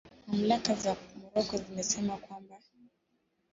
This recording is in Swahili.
Mamlaka za Morocco zimesema kwamba